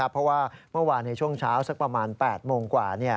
เพราะว่าเมื่อวานในช่วงเช้าสักประมาณ๘โมงกว่า